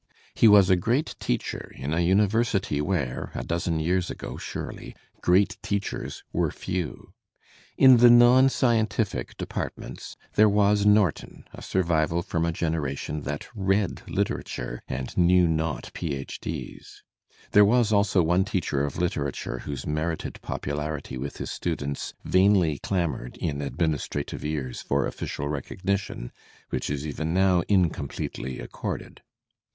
He was a great teacher in a university where (a dozen years ago, surely) great teachers were few. In the non scientific departments there was Norton, a siu vival from a generation that read literature and knew not Ph. D's. There was also one teacher of literatiu e whbse merited popularity with his students vainly clamoured in administrative ears for official recognition, which is even now incompletely accorded.